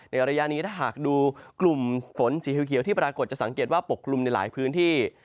ระยะนี้ถ้าหากดูกลุ่มฝนสีเขียวที่ปรากฏจะสังเกตว่าปกกลุ่มในหลายพื้นที่